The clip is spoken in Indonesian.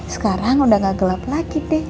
sekarang udah gak gelap lagi deh